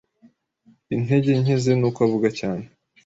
Intege nke ze nuko avuga cyane.